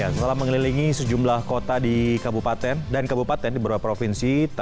setelah mengelilingi sejumlah kota di kabupaten dan kabupaten di beberapa provinsi